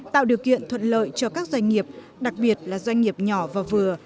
tạo điều kiện thuận lợi cho các doanh nghiệp đặc biệt là doanh nghiệp nhỏ và vừa